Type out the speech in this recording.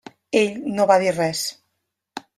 Ell no va dir res.